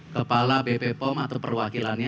kepala bp pom atau perwakilannya